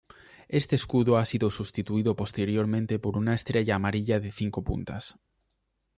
Este escudo ha sido sustituido posteriormente por una estrella amarilla de cinco puntas.